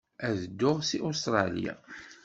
Ad dduɣ seg Ustṛalya.